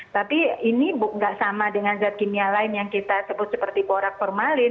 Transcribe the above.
tapi ini nggak sama dengan zat kimia lain yang kita sebut seperti porak formalin